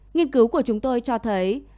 nghiên cứu của chúng tôi cho thấy